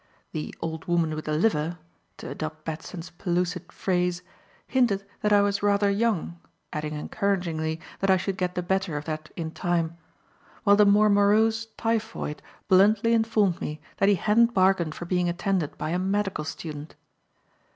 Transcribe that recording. The "old woman with the liver" (to adopt Batson's pellucid phrase) hinted that I was rather young, adding encouragingly that I should get the better of that in time; while the more morose typhoid bluntly informed me that he hadn't bargained for being attended by a medical student.